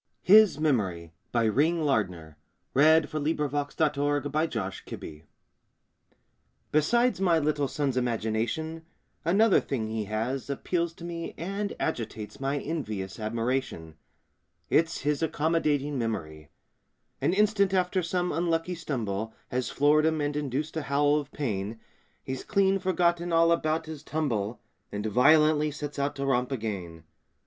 I'd give them back my salary. HIS MEMORY Besides my little son's imagination, Another thing he has appeals to me And agitates my envious admiration It's his accommodating memory. An instant after some unlucky stumble Has floored him and induced a howl of pain, He's clean forgotten all about his tumble And violently sets out to romp again.